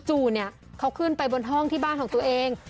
เขาขึ้นไปบนห้องที่บ้านของตัวเอง